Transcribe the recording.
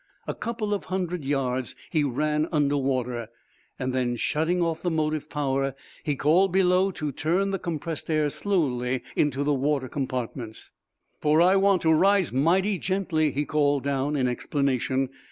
A couple of hundred yards he ran under water. Then, shutting off the motive power, he called below to turn the compressed air slowly into the water compartments. "For I want to rise mighty gently," he called down, in explanation.